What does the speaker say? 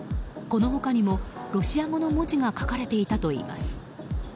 この他にもロシア語の文字が書かれていたといいます。